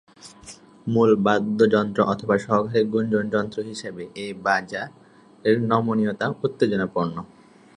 মূল বাদ্যযন্ত্র অথবা সহকারী গুঞ্জন যন্ত্র হিসাবে, এই "বাজা"র নমনীয়তা উত্তেজনাপূর্ণ।